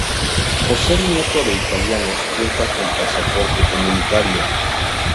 Por ser nieto de italianos cuenta con pasaporte comunitario.